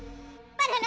バナナ！